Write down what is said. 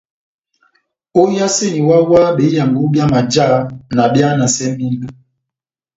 Óhiyaseni wáhá-wáhá behiyango byá majá na behanasɛ mínga.